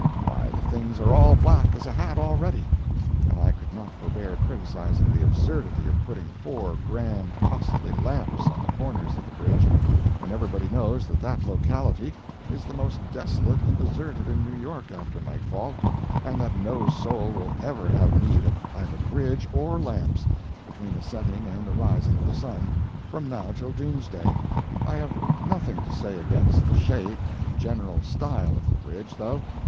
Why, the things are all black as a hat already. And I could not forbear criticising the absurdity of putting four grand costly lamps on the corners of the bridge, when everybody knows that that locality is the most desolate and deserted in New York after nightfall, and that no soul will ever have need of either bridge or lamps between the setting and the rising of the sun, from now till doomsday. I have nothing to say against the shape and general style of the bridge, though.